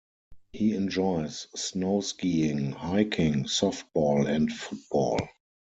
He enjoys snow skiing, hiking, softball and football.